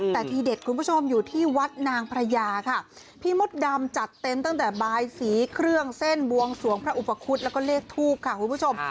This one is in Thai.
แต่ทีเด็ดคุณผู้ชมอยู่ที่วัดนางพระยาค่ะพี่มดดำจัดเต็มตั้งแต่บายสีเครื่องเส้นบวงสวงพระอุปคุฎแล้วก็เลขทูปค่ะคุณผู้ชม